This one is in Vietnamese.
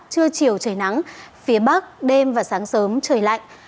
trưa chiều trời nắng phía bắc đêm và sáng sớm trời lạnh